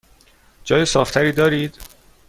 جای صاف تری دارید؟